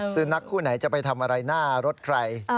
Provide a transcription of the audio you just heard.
สุนัขคู่ไหนจะไปทำอะไรหน้ารถใคร